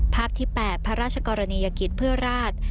ภาพที่๘พระราชกรณียกิจเพื่อราช